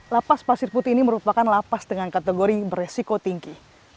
lapas pasir putih ini merupakan lapas dengan kategori beresiko tinggi